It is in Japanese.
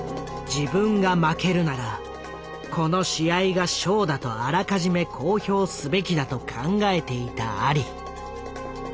自分が負けるならこの試合がショーだとあらかじめ公表すべきだと考えていたアリ。